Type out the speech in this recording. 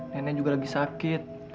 nenek juga lagi sakit